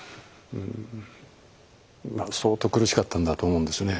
まあ相当苦しかったんだと思うんですね。